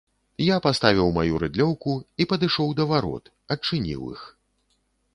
Я паставіў маю рыдлёўку і падышоў да варот, адчыніў іх.